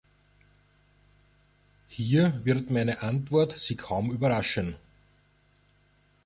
Hier wird meine Antwort Sie kaum überraschen.